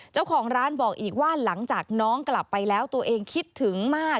เจ้าของร้านบอกอีกว่าหลังจากน้องกลับไปแล้วตัวเองคิดถึงมาก